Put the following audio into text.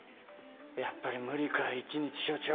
やっぱり無理か１日署長。